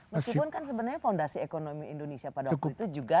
meskipun kan sebenarnya fondasi ekonomi indonesia pada waktu itu juga